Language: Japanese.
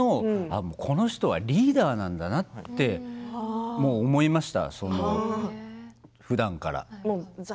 この人はリーダーなんだなって思いました、ふだんから。